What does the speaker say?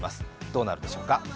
どうなるでしょうか。